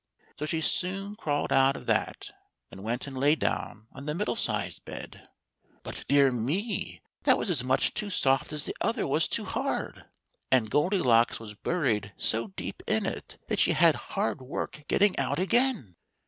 So she soon crawled out of that and went and lay down on the middle sized bed. But, dear me ! that was as much too soft as the other was too hard ; and Goldilocks was buried so deep in it that she had hard work getting out again.